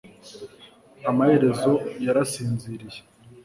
amaherezo, yarasinziriye